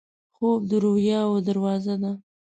خوب د رویاوو دروازه ده